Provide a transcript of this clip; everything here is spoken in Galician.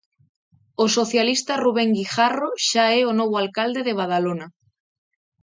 O socialista Rubén Guijarro xa é o novo alcalde de Badalona.